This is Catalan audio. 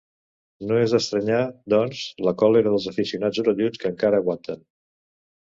No és d’estranyar, doncs, la còlera dels aficionats orelluts que encara aguanten.